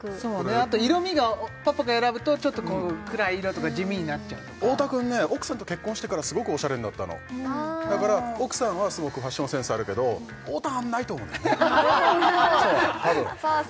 あと色味がパパが選ぶとちょっと暗い色とか地味になっちゃうとか太田君ね奥さんと結婚してからすごくおしゃれになったのだから奥さんはすごくファッションセンスあるけど太田はないと思うんだよね